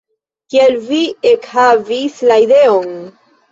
Kiel vi ekhavis la ideon?